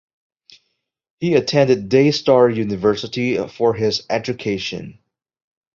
He attended Daystar University for his education.